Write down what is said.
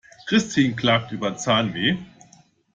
Christin klagt über Zahnweh.